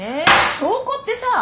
証拠ってさ！